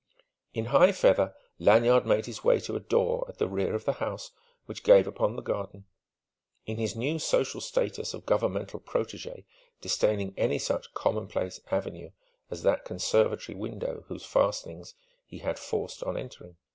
In high feather Lanyard made his way to a door at the rear of the house which gave upon the garden in his new social status of Governmental protégé disdaining any such a commonplace avenue as that conservatory window whose fastenings he had forced on entering.